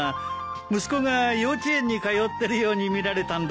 息子が幼稚園に通ってるように見られたんだからね。